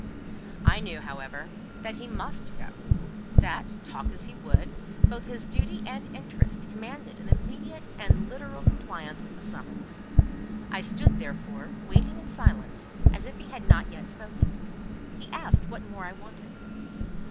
I knew, however, that he must go; that, talk as he would, both his duty and interest commanded an immediate and literal compliance with the summons: I stood, therefore, waiting in silence, as if he had not yet spoken. He asked what more I wanted.